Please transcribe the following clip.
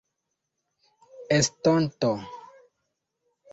estonto